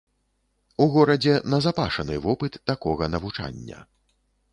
У горадзе назапашаны вопыт такога навучання.